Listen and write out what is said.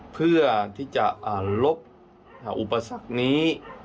เพื่อที่จะลบอุปสรรคนี้